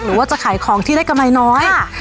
หรือว่าจะขายของที่ได้กำไรน้อย